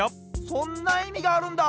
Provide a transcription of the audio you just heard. そんないみがあるんだ！